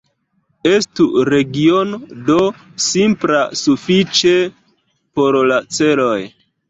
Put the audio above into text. Estu regiono "D" simpla sufiĉe por la celoj.